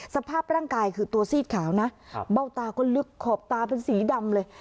สภาพร่างกายคือตัวซีดขาวนะเบ้าตาก็ลึกขอบตาเป็นสีดำเลย